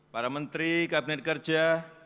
para menteri kabinet kerja